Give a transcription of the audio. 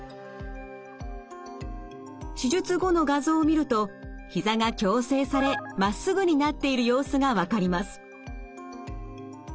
手術後の画像を見るとひざが矯正されまっすぐになっている様子が分かります。